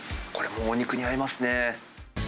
これもお肉に合いますね。